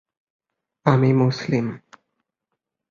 আর জ্যামিতির শুরু হয়েছিল রেখা ও বৃত্তের মত সরল ধারণাগুলি দিয়ে।